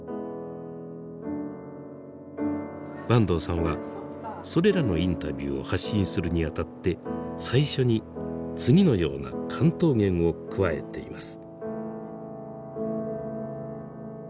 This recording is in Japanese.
坂東さんはそれらのインタビューを発信するにあたって最初に次のような巻頭言を加えています。